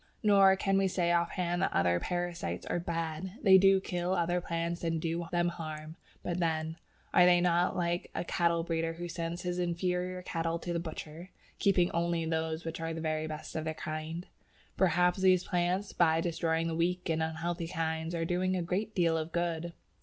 Nor can we say off hand that other parasites are "bad." They do kill other plants and do them harm, but then, are they not like a cattle breeder who sends his inferior cattle to the butcher, keeping only those which are the very best of their kind? Perhaps these plants, by destroying the weak and unhealthy kinds, are doing a great deal of good.